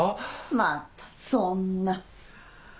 またそんな。